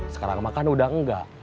sekarang makan udah enggak